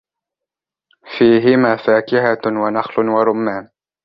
فيهما فاكهة ونخل ورمان